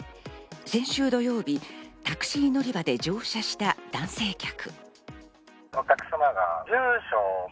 先週土曜日、タクシー乗り場で乗車した男性客。